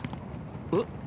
えっ？